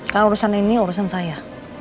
karena urusan ini urusan saya